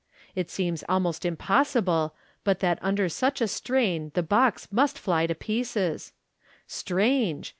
It seems almost impossible but that under such a strain the box must fly to pieces Strange